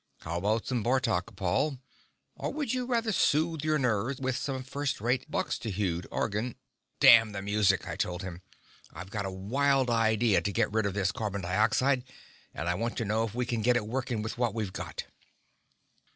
"How about some Bartok, Paul? Or would you rather soothe your nerves with some first rate Buxtehude organ...." "Damn the music," I told him. "I've got a wild idea to get rid of this carbon dioxide, and I want to know if we can get it working with what we've got."